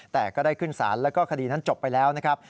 แต่ก็ได้ขึ้นสารแล้วก็คดีนั้นจบไปแล้วนะครับ